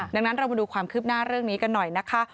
ดังนั้นเรามาดูความคืบหน้าเรื่องนี้กันหน่อยนะคะ